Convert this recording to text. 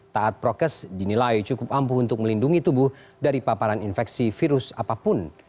taat prokes dinilai cukup ampuh untuk melindungi tubuh dari paparan infeksi virus apapun